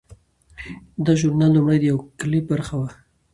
دا ژورنال لومړی د یو کلپ برخه وه.